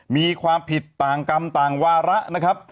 มีความผิดต่างกรรมต่างวาระนะครับ